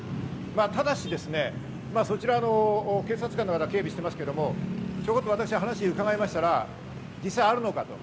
ただし、そちら、警察官の方が警備していますが、私が話を伺いましたら、実際あるのかと。